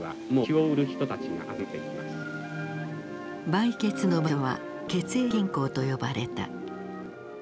売血の場所は血液銀行と呼ばれた。